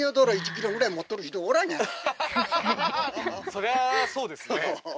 そりゃそうですね